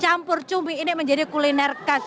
campur cumi ini menjadi kuliner khas